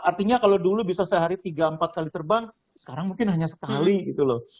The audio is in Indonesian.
artinya kalau dulu bisa sehari tiga empat kali terbang sekarang mungkin hanya sekali gitu loh